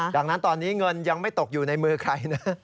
ดังนั้นตอนนี้เงินยังไม่ตกอยู่ในมือใครนะ